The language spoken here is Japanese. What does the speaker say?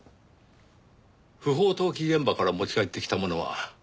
不法投棄現場から持ち帰ってきたものはどこに？